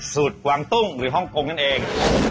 กวางตุ้งหรือฮ่องกงนั่นเอง